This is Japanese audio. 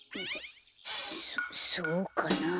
そそうかなあ？